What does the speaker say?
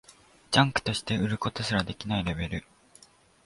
ジャンクとして売ることすらできないレベル